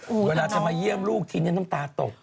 เวลาจะมาเยี่ยมลูกทีนี้น้ำตาตก